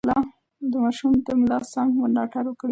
د ماشوم د ملا سم ملاتړ وکړئ.